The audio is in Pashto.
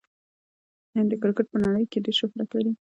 هند د کرکټ په نړۍ کښي ډېر شهرت لري.